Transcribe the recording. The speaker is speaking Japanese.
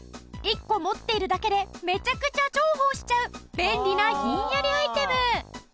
１個持っているだけでめちゃくちゃ重宝しちゃう便利なひんやりアイテム。